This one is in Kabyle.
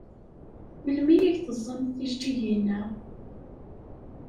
Melmi ay teẓẓamt tijeǧǧigin-a?